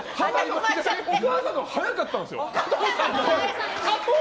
お母さんのほうが早かったんですよ。